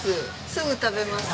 すぐ食べます。